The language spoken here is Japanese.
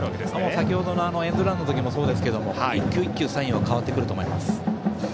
先程のエンドランの時もそうですけど１球１球サインは変わると思います。